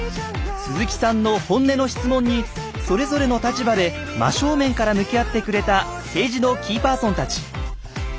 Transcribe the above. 鈴木さんの本音の質問にそれぞれの立場で真正面目から向き合ってくれた政治のキーパーソンたち。